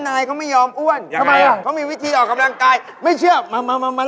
นายยังมีแบบนี่ก็อย่างนี้แหละมั้ย